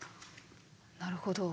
なるほど。